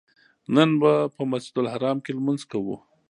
نن به په مسجدالحرام کې لمونځ کوو.